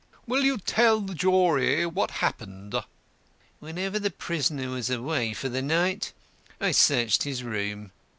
"Will you tell the jury what followed?" "Whenever the prisoner was away for the night I searched his room.